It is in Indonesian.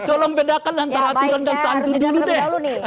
jolong bedakan antara aturan dan santun dulu deh